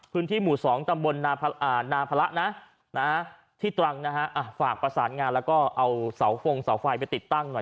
พื้นที่หมู่๒ตำบลนาพระนะที่ตรังนะฮะฝากประสานงานแล้วก็เอาเสาฟงเสาไฟไปติดตั้งหน่อย